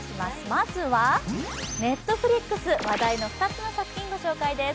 まずはＮｅｔｆｌｉｘ、話題の２つの作品ご紹介です。